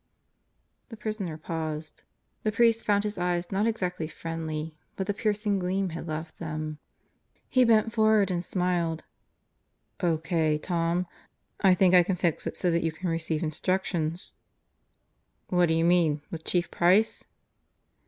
The prisoner paused. The priest found his eyes not exactly friendly but the piercing gleam had left them. He bent forward and smiled. "O.K., Tom. I think I can fix it so that you can receive instructions." "What do you mean with Chief Price?"